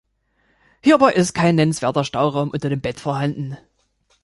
Hierbei ist kein nennenswerter Stauraum unter dem Bett vorhanden.